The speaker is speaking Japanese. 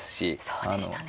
そうでしたね。